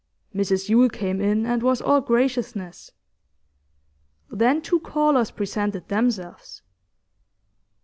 Mrs Yule came in, and was all graciousness. Then two callers presented themselves.